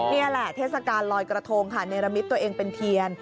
นี่แหละเทศกาลลอยกระทงค่ะเนรมิตตัวเองเป็นเทียน